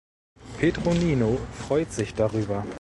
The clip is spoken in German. Petronio freut sich darüber.